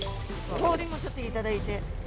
氷もちょっといただいて。